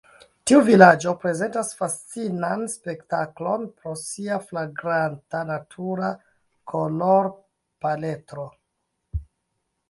Tiu vilaĝo prezentas fascinan spektaklon pro sia flagranta natura kolorpaletro.